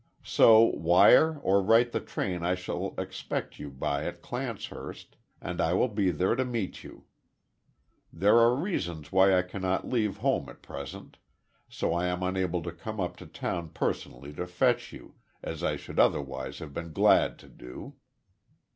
So wire or write the train I shall expect you by at Clancehurst, and I will be there to meet you. There are reasons why I cannot leave home at present, so am unable to come up to town personally to fetch you, as I should otherwise have been glad to do.